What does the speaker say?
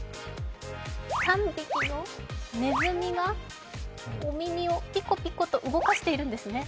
３匹のねずみが、お耳をぴこぴこと動かしているんですね。